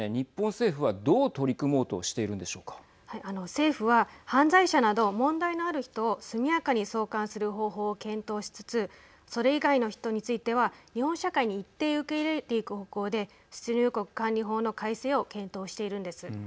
政府は、犯罪者など問題のある人を速やかに送還する方法を検討しつつそれ以外の人については日本社会に一定受け入れていく方向で出入国管理法の改正を検討しているんです。